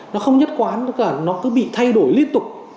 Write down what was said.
nó không nhất quán nó cứ bị thay đổi liên tục